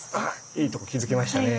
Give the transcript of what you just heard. いいとこ気付きましたね。